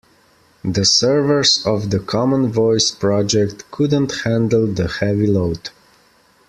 The servers of the common voice project couldn't handle the heavy load.